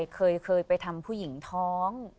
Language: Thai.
เคยไปทำผู้หญิงท้อง